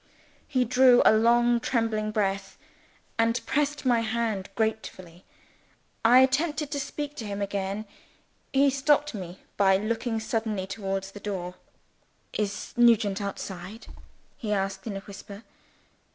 He drew a long trembling breath, and pressed my hand gratefully. I attempted to speak to him again he stopped me by looking suddenly towards the door. "Is Nugent outside?" he asked in a whisper.